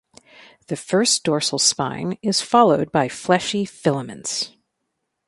The first dorsal spine is followed by fleshy filaments.